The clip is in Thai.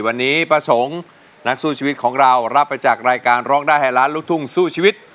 วันนี้ป้าสงฆ์นักสู้ชีวิตของเรารับไปจากรายการร้องได้ให้ล้านลูกทุ่งสู้ชีวิต